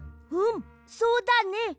うんそうだね。